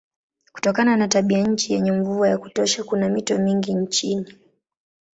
Kutokana na tabianchi yenye mvua ya kutosha kuna mito mingi nchini.